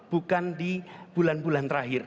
bukan di bulan bulan terakhir